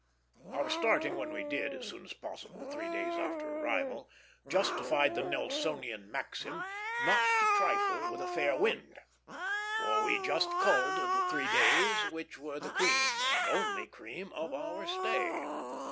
Our starting when we did, as soon as possible, three days after arrival, justified the Nelsonian maxim not to trifle with a fair wind; for we just culled the three days which were the cream, and only cream, of our stay.